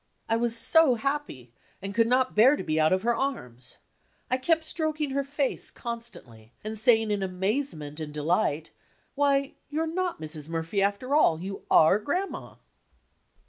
I was so happy, and could not bear to be out of her arms. I kept stroking her face constantly and saying in amazement and delight, "Why, you're not Mrs. Murphy, after all; you are Grandma."